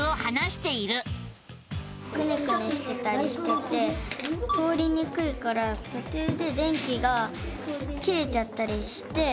くねくねしてたりしてて通りにくいからとちゅうで電気が切れちゃったりして。